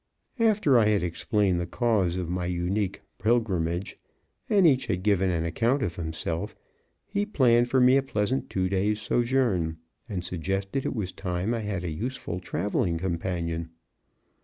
After I had explained the cause of my unique pilgrimage and each had given an account of himself, he planned for me a pleasant two days' sojourn, and suggested it was time I had a useful traveling companion.